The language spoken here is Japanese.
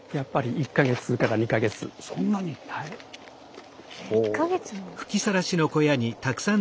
１か月も。